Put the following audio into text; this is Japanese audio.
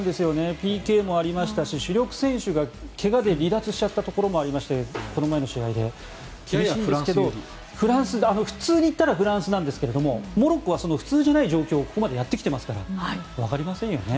ＰＫもありましたし主力選手が怪我で離脱しちゃったところもありまして厳しいんですけど普通にいったらフランスなんですけどモロッコは普通じゃない状況をここまでやってきていますからわかりませんよね。